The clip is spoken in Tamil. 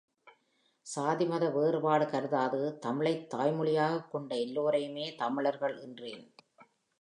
சாதிமத வேறுபாடு கருதாது தமிழைத் தாய்மொழியாகக் கொண்ட எல்லோரையுமே தமிழர்கள் என்றேன்.